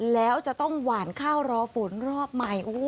แล้วจะต้องหวานข้าวรอฝนรอบใหม่